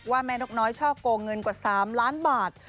แม่นกน้อยช่อโกงเงินกว่า๓ล้านบาท